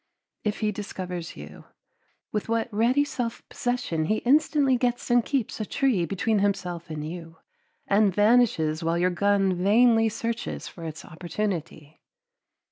If he discovers you, with what ready self possession he instantly gets and keeps a tree between himself and you and vanishes while your gun vainly searches for its opportunity.